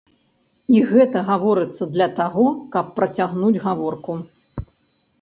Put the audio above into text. І гэта гаворыцца для таго, каб працягнуць гаворку.